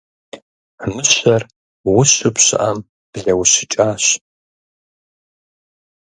Мыщэр ущу пщыӏэм блэущыкӏащ.